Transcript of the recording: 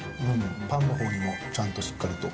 パンのほうにもちゃんとしっかりと。